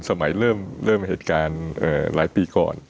เริ่มเหตุการณ์หลายปีก่อน